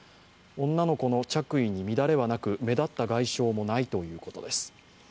女の子の着衣に乱れはなく、目立った外傷もないということです。